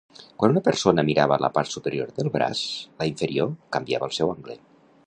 Quan una persona mirava la part superior del braç, la inferior canviava el seu angle.